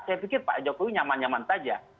saya pikir pak jokowi nyaman nyaman saja